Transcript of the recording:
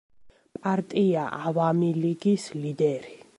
პარტია „ავამი ლიგის“ ლიდერი.